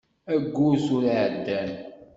Ayyur tura i iεeddan.